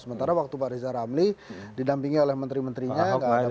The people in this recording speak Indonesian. sementara waktu pak riza ramli didampingi oleh menteri menterinya